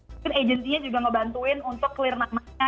mungkin agency nya juga ngebantuin untuk clear namanya